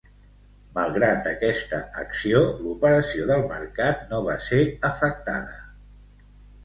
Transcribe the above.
Malgrat aquesta acció, l'operació del mercat no va ser afectada.